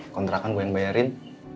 kontrakan gue yang bayarin